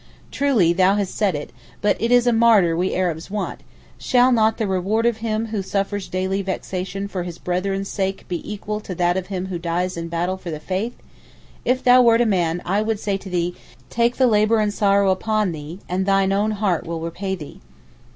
'Truly thou hast said it, but it is a martyr we Arabs want; shall not the reward of him who suffers daily vexation for his brethren's sake be equal to that of him who dies in battle for the faith? If thou wert a man, I would say to thee, take the labour and sorrow upon thee, and thine own heart will repay thee.